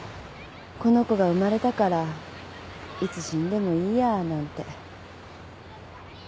この子が生まれたからいつ死んでもいいやなんて。